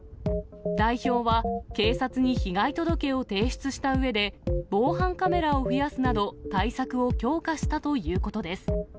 代表は警察に被害届を提出したうえで、防犯カメラを増やすなど、対策を強化したということです。